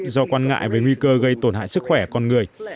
do quan ngại về nguy cơ gây tổn hại sức khỏe con người